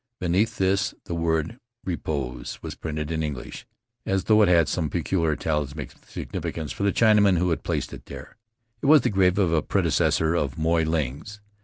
Beneath this the word "Repose" was printed in English, as though it had some peculiar talismanic significance for the Chinaman who had placed it there. It was the grave of a predecessor of Moy Ling's.